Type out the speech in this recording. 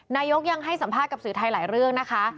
นายกยังให้สัมภาษณ์กับสื่อไทยหลายเรื่องนะคะ